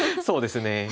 そうですね。